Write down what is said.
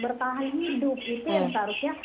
bertahan hidup itu yang seharusnya